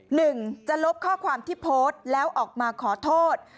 หนึ่งจะลบข้อความที่โพสต์แล้วออกมาขอโทษ